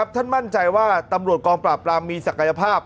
ท่านมั่นใจว่าตำรวจกองปราบปรามมีศักยภาพ